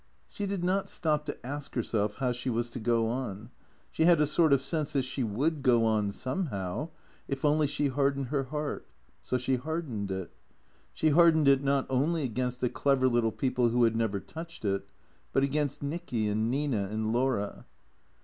She did not stop to ask herself how she was to go on. She had a sort of sense that she would go on somehow, if only she hardened her heart. So she hardened it. She hardened it, not only against the clever little people who had never touched it, but against Nicky and Nina and Laura.